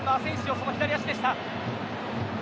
その左足でした。